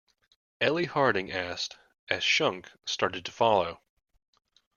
Eli Harding asked, as Shunk started to follow.